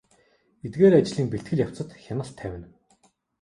Эдгээр ажлын бэлтгэл явцад хяналт тавина.